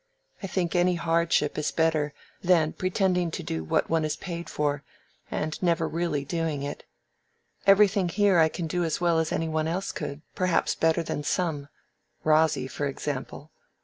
I think any hardship is better than pretending to do what one is paid for, and never really doing it. Everything here I can do as well as any one else could; perhaps better than some—Rosy, for example.